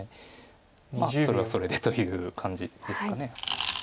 まあそれはそれでという感じですか。